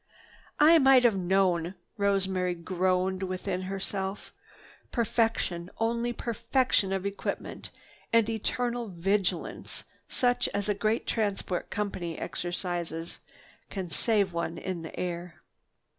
"I might have known!" Rosemary groaned within herself. "Perfection, only perfection of equipment and eternal vigilance such as a great transport company exercises can save one in the air.